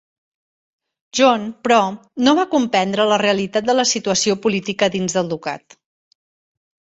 John, però, no va comprendre la realitat de la situació política dins del ducat.